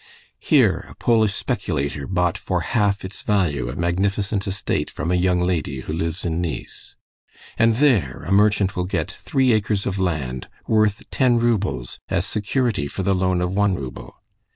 Here a Polish speculator bought for half its value a magnificent estate from a young lady who lives in Nice. And there a merchant will get three acres of land, worth ten roubles, as security for the loan of one rouble.